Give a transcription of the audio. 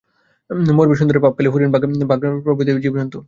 মরবে সুন্দরবনের পাখপাখালি, হরিণ, বাঘ, ভালুক, সাপ, বেজি প্রভৃতি বোবা জীবজন্তু।